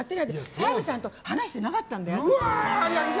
澤部さんと話していなかったのよ。